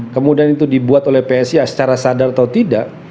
kemudian itu dibuat oleh psi secara sadar atau tidak